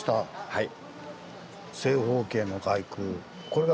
はい。